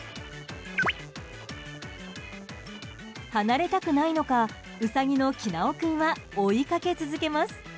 離れたくないのかウサギのキナオ君は追いかけ続けます。